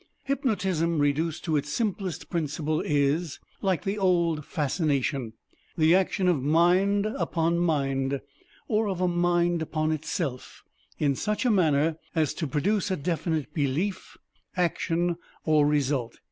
Hypnotism reduced to its simplest principle is, like the old Fascination, the action of mind upon mind, or of a mind upon itself, in such a manner as to produce a definite belief, action, or result.